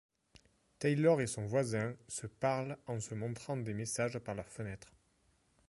Taylor et son voisin se parlent en se montrant des messages par leur fenêtre.